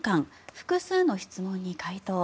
複数の質問に回答。